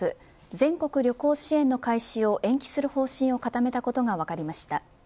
全国旅行支援の開始を延期する方針を固めたことが分かりました。